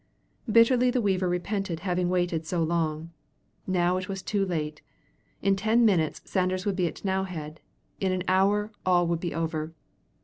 Bitterly the weaver repented having waited so long. Now it was too late. In ten minutes Sanders would be at T'nowhead; in an hour all would be over.